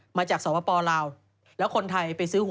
ปลาหมึกแท้เต่าทองอร่อยทั้งชนิดเส้นบดเต็มตัว